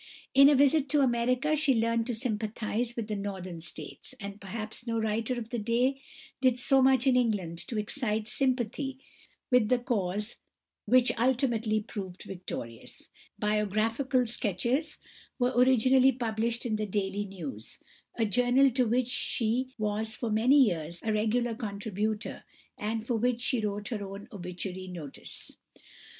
In a visit to America she learned to sympathise with the Northern States, and perhaps no writer of the day did so much in England to excite sympathy with the cause which ultimately proved victorious. Miss Martineau's "Biographical Sketches" were originally published in the Daily News, a journal to which she was for many years a regular contributor, and for which she wrote her own obituary notice.